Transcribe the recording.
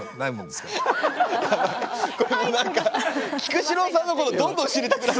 何か菊紫郎さんのことどんどん知りたくなる。